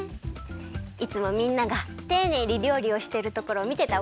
いつもみんながていねいにりょうりをしてるところをみてたおかげかな。